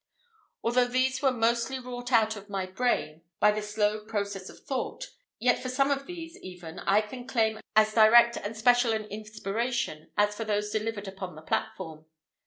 Although these were mostly wrought out of my brain by the slow process of thought, yet for some of these, even, I can claim as direct and special an inspiration as for those delivered upon the platform.